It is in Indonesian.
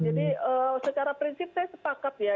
jadi secara prinsip saya sepakat ya